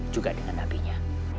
juga dengan abinya